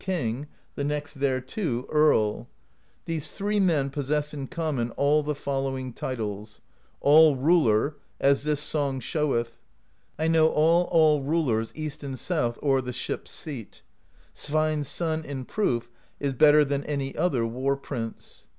King; the next thereto. Earl: these three men possess in common all the follow ing titles: All Ruler, as this song showeth: I know all All Rulers East and south, o'er the Ships' seat: Sveinn's son in proof is better Than any other War Prince.